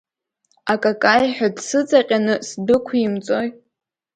Акакаи ҳәа дсыҵаҟьаны сдәықәимҵои.